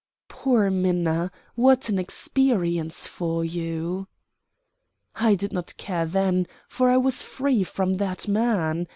"Poor Minna! What an experience for you." "I did not care then, for I was free from that man.